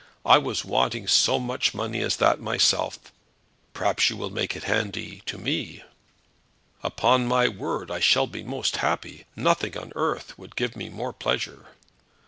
I was wanting so much money as that myself; perhaps you will make it handy to me." "Upon my word I shall be most happy. Nothing on earth would give me more pleasure."